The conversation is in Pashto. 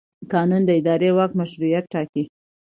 قانون د اداري واک مشروعیت ټاکي.